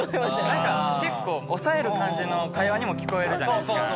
何か結構押さえる感じの会話にも聞こえるじゃないですか。